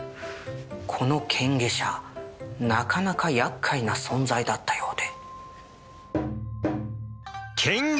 このけんげしゃなかなか厄介な存在だったようで。